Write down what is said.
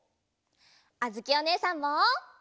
あづきおねえさんも。